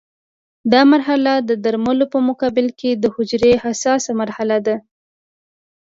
دا مرحله د درملو په مقابل کې د حجرې حساسه مرحله ده.